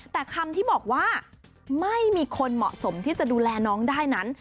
แต่คำที่บอกว่าไม่มีคนเหมาะสมที่จะดูแลน้องได้นั้น